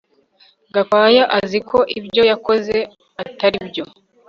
Gakwaya azi ko ibyo yakoze atari byo